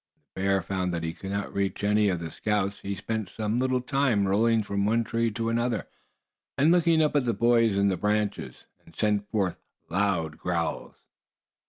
When the bear found that he could not reach any of the scouts, he spent some little time rolling from one tree to another, and looking up at the boys in the branches and sending forth loud growls.